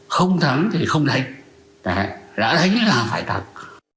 không thắng thì không đánh đã đánh là phải cầm